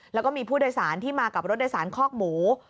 แล้วก็มีผู้โดยสารที่มากับรถโดยสารคอกหมู